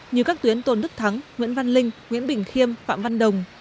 như các tuyến tôn đức thắng nguyễn văn linh nguyễn bình khiêm phạm văn đồng